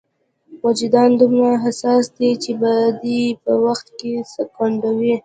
وجدان دومره حساس دی چې بدۍ په وخت کې سکونډي.